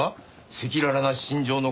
赤裸々な心情の告白は？